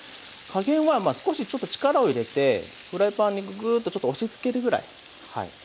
加減はまあ少しちょっと力を入れてフライパンにグーッとちょっと押しつけるぐらいはい。